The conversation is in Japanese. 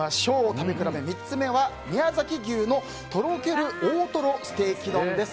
食べ比べ３つ目は宮崎牛とろける大トロステーキ丼です。